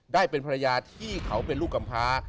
ได้เป็นภรรยาที่เขาเป็นลูกกำพา